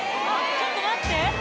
ちょっと待って。